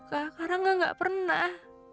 karangga gak pernah